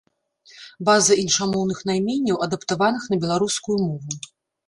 База іншамоўных найменняў, адаптаваных на беларускую мову.